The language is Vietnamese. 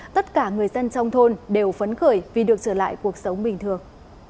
tất cả người dân trong thôn đều phấn khởi vì được trở lại cuộc sống bình thường